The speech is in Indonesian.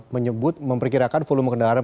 menyebut memperkirakan volume kendaraan